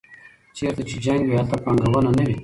چېرته چې جنګ وي هلته پانګونه نه وي.